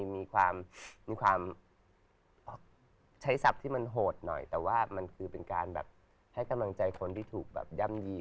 มีความใช้ศัพท์ที่มันโหดหน่อยแต่ว่ามันคือเป็นการแบบให้กำลังใจคนที่ถูกแบบย่ำยี